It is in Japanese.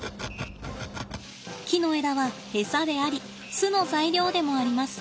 木の枝は餌であり巣の材料でもあります。